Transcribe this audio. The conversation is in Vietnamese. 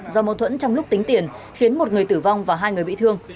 do mâu thuẫn trong lúc tính tiền khiến một người tử vong và hai người bị thương